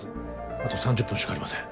あと３０分しかありません